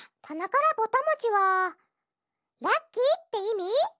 「たなからぼたもち」はラッキーっていみ？